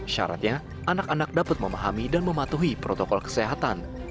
syaratnya anak anak dapat memahami dan mematuhi protokol kesehatan